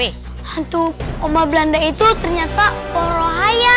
untuk oma belanda itu ternyata porohaya